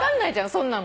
そんなの。